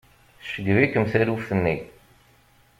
Tceggeb-ikem taluft-nni.